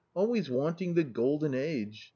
Always wanting the golden age !